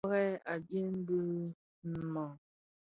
A bùrà, a dyèn dì mang.